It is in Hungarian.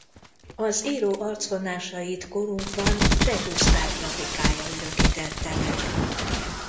Az író arcvonásait korunkban Cseh Gusztáv grafikája örökítette meg.